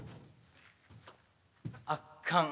あっかん。